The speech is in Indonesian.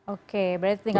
oke berarti tinggal